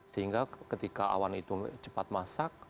sehingga ketika awan itu cepat masak